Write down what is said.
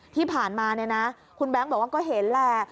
ที่ผ่านมาเนี่ยนะคุณแบงค์บอกว่าก็เห็นแหละ